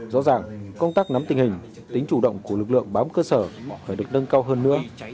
rõ ràng công tác nắm tình hình tính chủ động của lực lượng bám cơ sở phải được nâng cao hơn nữa